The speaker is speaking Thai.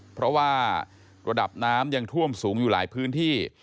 เพราะว่าระดับน้ำยังท่วมสูงอยู่หลายพื้นที่